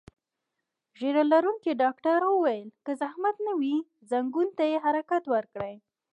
ږیره لرونکي ډاکټر وویل: که زحمت نه وي، ځنګون ته یې حرکت ورکړئ.